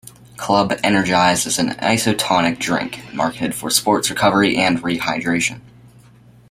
Club Energise is an Isotonic drink, marketed for sports recovery and rehydration.